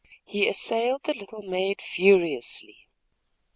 He assailed "the little maid furiously."